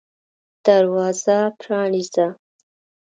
دروازه پرانیزه !